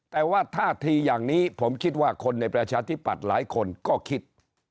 แต่ว่าท่าทีอย่างนี้ผมคิดว่าคนในประชาธิปัตย์หลายคนก็คิด